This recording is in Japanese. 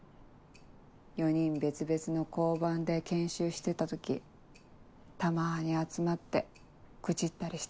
４人別々の交番で研修してた時たまに集まって愚痴ったりしてさ。